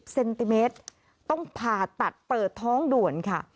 เซนติเมตรต้องผ่าตัดเปิดท้องด่วนค่ะ